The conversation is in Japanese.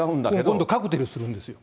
今度、カクテルするんですよ。